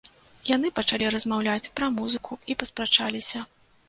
Яны пачалі размаўляць пра музыку і паспрачаліся.